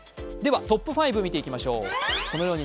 ではトップ５を見ていきましょう。